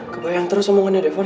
kebayang terus omongannya devon